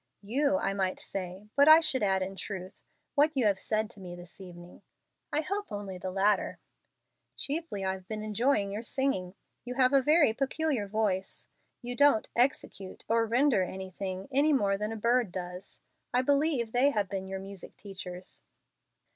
"You, I might say; but I should add, in truth, what you have said to me this evening." "I hope only the latter." "Chiefly, I've been enjoying your singing. You have a very peculiar voice. You don't 'execute' or 'render' anything, any more than a bird does. I believe they have been your music teachers."